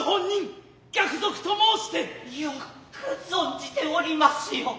よく存じて居りますよ。